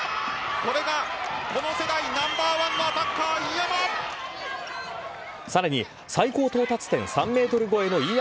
これがこの世代ナンバーワンのアタッカー・飯山！